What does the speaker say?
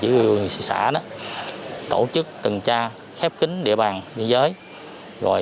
những người hành vi vi phạm liên quan đến an ninh biên giới